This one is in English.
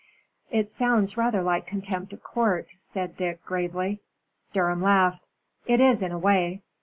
"It sounds rather like contempt of court," said Dick, gravely. Durham laughed. "It is, in a way.